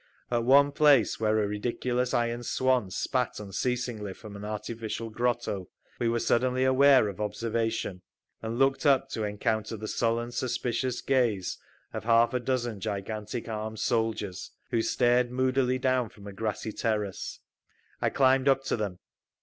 At one place, where a ridiculous iron swan spat unceasingly from an artificial grotto, we were suddenly aware of observation, and looked up to encounter the sullen, suspicious gaze of half a dozen gigantic armed soldiers, who stared moodily down from a grassy terrace. I climbed up to them.